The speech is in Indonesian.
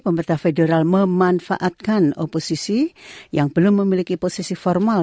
pemerintah federal memanfaatkan oposisi yang belum memiliki posisi formal